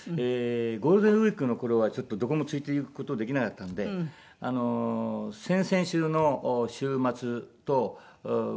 ゴールデンウィークの頃はちょっとどこも連れていく事できなかったんで先々週の週末とこの間の週末２週にわたって。